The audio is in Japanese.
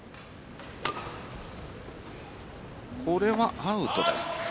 これはアウトです。